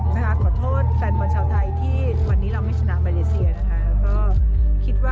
นะคะขอโทษแฟนบอลชาวไทยที่วันนี้เราไม่ชนะมาเลเซียนะคะ